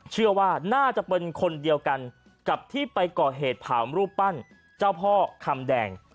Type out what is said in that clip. เชื่อว่าน่าจะเป็นคนเดียวกันกับที่ไปก่อเหตุถามรูปปั้นเจ้าพ่อคำแดง